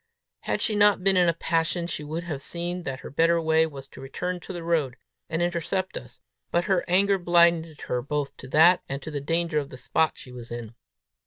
Had she not been in a passion, she would have seen that her better way was to return to the road, and intercept us; but her anger blinded her both to that and to the danger of the spot she was in.